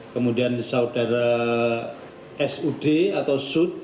kemudian saudara sud